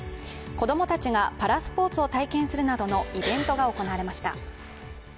子供たちがパラスポーツを体験するなどのイベントが行われました。